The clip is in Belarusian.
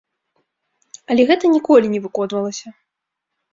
Але гэта ніколі не выконвалася.